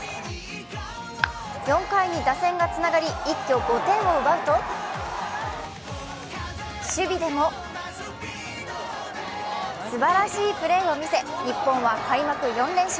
４回に打線がつながり一挙５点を奪うと守備でも、すばらしいプレーを見せ、日本は開幕４連勝。